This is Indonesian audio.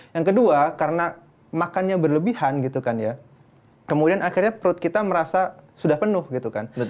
yang kedua karena makannya berlebihan gitu kan ya kemudian akhirnya perut kita merasa sudah penuh gitu kan